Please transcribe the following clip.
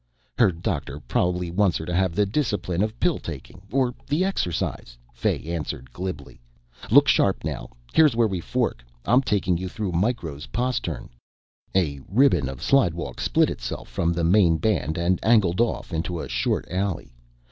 "Her doctor probably wants her to have the discipline of pill taking or the exercise," Fay answered glibly. "Look sharp now. Here's where we fork. I'm taking you through Micro's postern." A ribbon of slidewalk split itself from the main band and angled off into a short alley.